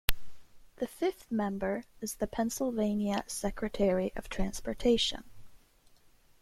The fifth member is the Pennsylvania Secretary of Transportation.